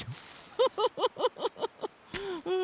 フフフフフ！